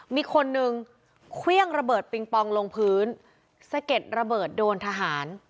มีคนนึงเครื่องระเบิดปิงปองลงพื้นสะเก็ดระเบิดโดนทหาร